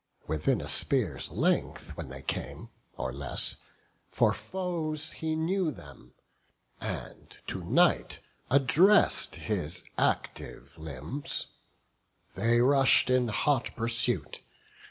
Within a spear's length when they came, or less, For foes he knew them, and to night address'd His active limbs; they rush'd in hot pursuit.